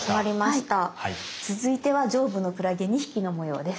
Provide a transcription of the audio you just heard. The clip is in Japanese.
続いては上部のクラゲ２匹の模様です。